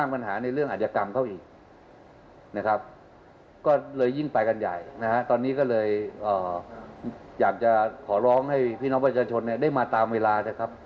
พี่น้องประชาชนได้มาตามเวลา